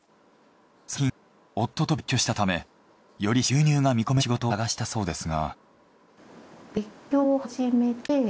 最近夫と別居したためより収入が見込める仕事を探したそうですが。